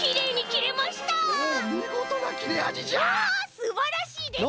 すばらしいですね！